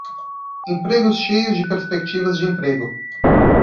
Empregos cheios de perspectivas de emprego